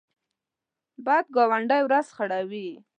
بد ګاونډی ورځ خړوي